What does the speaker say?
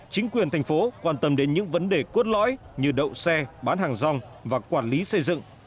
chính quyền thành phố quan tâm đến những vấn đề cốt lõi như đậu xe bán hàng rong và quản lý xây dựng